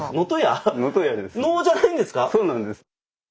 そうなんです。